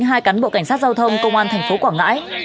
hai cán bộ cảnh sát giao thông công an tp quảng ngãi